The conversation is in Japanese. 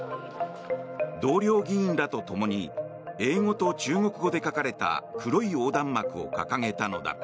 同僚議員らとともに英語と中国語で書かれた黒い横断幕を掲げたのだ。